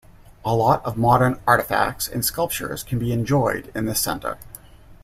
A lot of modern artefacts and sculptures can be enjoyed in this centre.